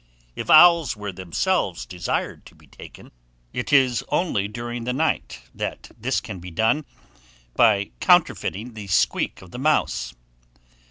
If owls were themselves desired to be taken, it is only during the night that this can be done, by counterfeiting the squeak of the mouse.